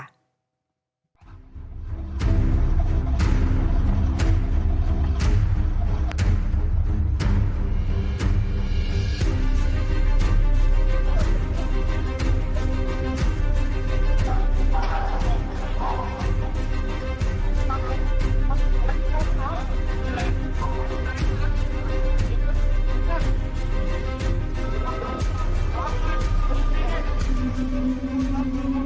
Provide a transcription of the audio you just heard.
อ่า